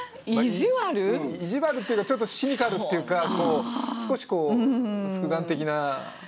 意地悪っていうかちょっとシニカルっていうか少し複眼的な見方っていうかね。